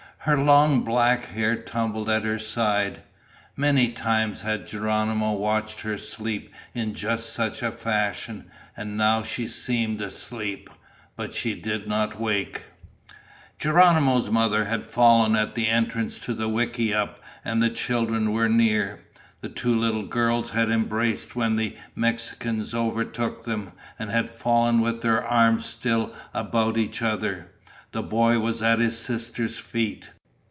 Her long black hair tumbled at her side. Many times had Geronimo watched her sleep in just such a fashion, and now she seemed asleep. But she did not wake. Geronimo's mother had fallen at the entrance to the wickiup, and the children were near. The two little girls had embraced when the Mexicans overtook them, and had fallen with their arms still about each other. The boy was at his sisters' feet.